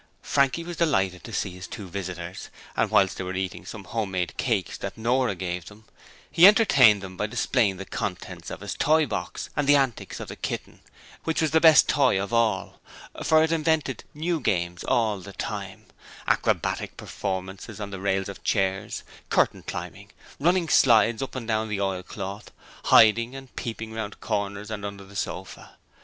Frankie was delighted with these two visitors, and whilst they were eating some home made cakes that Nora gave them, he entertained them by displaying the contents of his toy box, and the antics of the kitten, which was the best toy of all, for it invented new games all the time: acrobatic performances on the rails of chairs; curtain climbing; running slides up and down the oilcloth; hiding and peeping round corners and under the sofa.